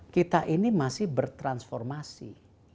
kita ini masih bertransformasi